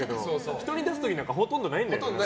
人に出す時なんかほとんどないんだよね。